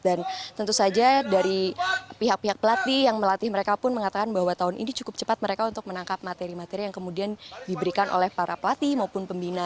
dan tentu saja dari pihak pihak pelatih yang melatih mereka pun mengatakan bahwa tahun ini cukup cepat mereka untuk menangkap materi materi yang kemudian diberikan oleh para pelatih maupun pembina